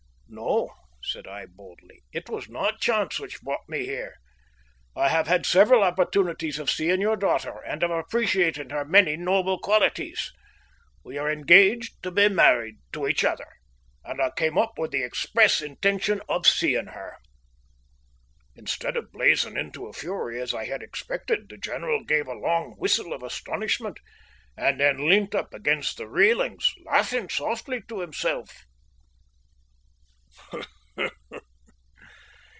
"No," said I boldly, "it was not chance which brought me here. I have had several opportunities of seeing your daughter and of appreciating her many noble qualities. We are engaged to be married to each other, and I came up with the express intention of seeing her." Instead of blazing into a fury, as I had expected, the general gave a long whistle of astonishment, and then leant up against the railings, laughing softly to himself.